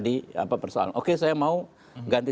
dipersoalkan oke saya mau ganti